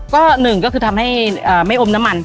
ก็หนึ่งก็คือทำให้ไม่อมน้ำมัน